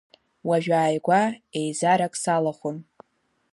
Уажәааигәа еизарак салахәын.